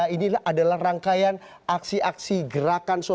ini adalah rangkaian aksi aksi gerakan